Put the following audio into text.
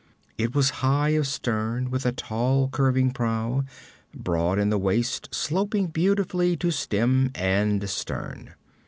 It was high of stern, with a tall curving prow; broad in the waist, sloping beautifully to stem and stern.